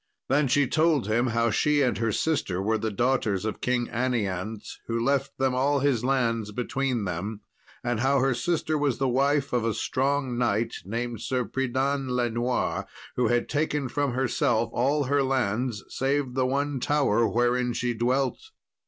Then she told him how she and her sister were the daughters of King Anianse, who left them all his lands between them; and how her sister was the wife of a strong knight, named Sir Pridan le Noir, who had taken from herself all her lands, save the one tower wherein she dwelt.